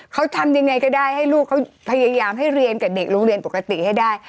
เขาทำยังไงก็ได้ให้ลูกเขาพยายามให้เรียนกับเด็กโรงเรียนปกติให้ได้